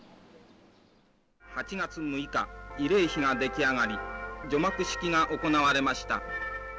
８月６日、慰霊碑が出来上がり、除幕式が行われました。